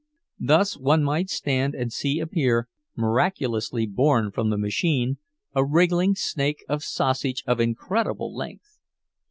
Thus one might stand and see appear, miraculously born from the machine, a wriggling snake of sausage of incredible length.